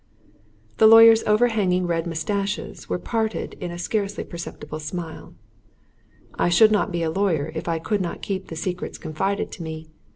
The lawyer's overhanging reddish mustaches were parted in a scarcely perceptible smile. "I should not be a lawyer if I could not keep the secrets confided to me.